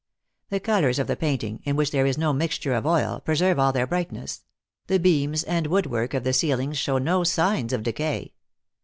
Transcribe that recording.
The colors of the painting, in which there is no mixture of oil, pre serve all their brightness the beams and wood work of the ceilings show no signs of decay.